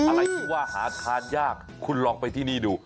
อะไรที่ว่าหาทานยากคุณลองไปที่นี่ดู